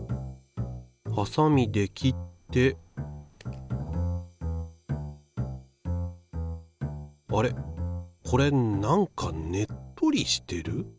ハサミで切ってあれこれなんかねっとりしてる？